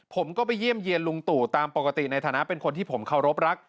ผมก็ไปเยี่ยมเยี่ยนลุงตู่ตามปกติในฐานะเป็นคนที่ผมเคารพรัก